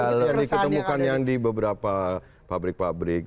kalau diketemukan yang di beberapa pabrik pabrik